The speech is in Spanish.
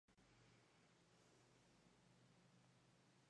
La crítica ha sido positiva por la mayoría de la prensa.